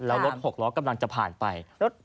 แล้วรถ๖ล้อกำลังจะผ่านไป